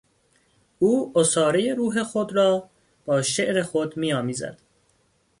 او عصارهی روح خود را با شعر خود میآمیزد.